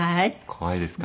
怖いですか。